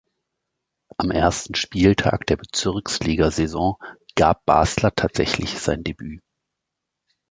Am ersten Spieltag der Bezirksliga-Saison gab Basler tatsächlich sein Debüt.